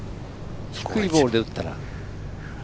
低いボールで打ったら？